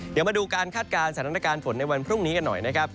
เดี๋ยวมาดูการคาดการณ์สถานการณ์ฝนในวันพรุ่งนี้กันหน่อยนะครับ